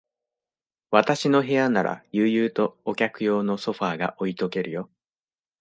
私の部屋なら、悠々とお客用のソファーが置いとけるよ。